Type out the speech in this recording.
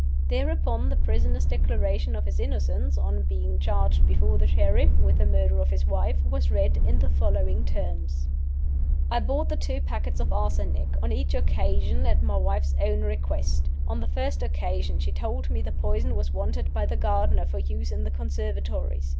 Thereupon the prisoner's Declaration of his innocence on being char ged before the Sheriff with the murder of his wife was read, in the following terms: "I bought the two packets of arsenic, on each occasion at my wife's own request. On the first occasion she told me the poison was wanted by the gardener for use in the conservatories.